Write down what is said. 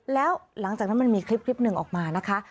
แล้วหลังจากนั้นมันมีคลิปหนึ่งออกมานะคะ